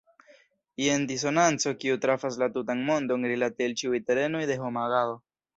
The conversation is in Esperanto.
Jen disonanco kiu trafas la tutan mondon rilate al ĉiuj terenoj de homa agado.